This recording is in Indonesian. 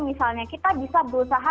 misalnya kita bisa berusaha